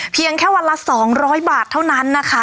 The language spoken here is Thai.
เพียงแค่วันละ๒๐๐บาทเท่านั้นนะคะ